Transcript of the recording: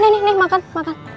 nih nih nih makan makan